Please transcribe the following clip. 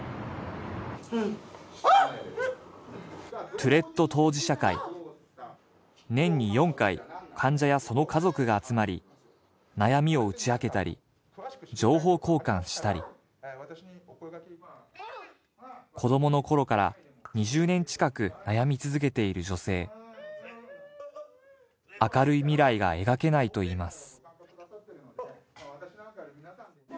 トゥレット当事者会あっ年に４回患者やその家族が集まり悩みを打ち明けたり情報交換したり子供の頃から２０年近く悩み続けている女性明るい未来が描けないといいます